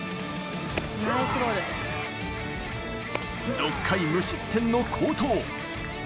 ６回無失点の好投。